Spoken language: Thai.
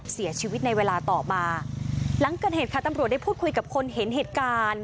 เสียชีวิตในเวลาต่อมาหลังเกิดเหตุค่ะตำรวจได้พูดคุยกับคนเห็นเหตุการณ์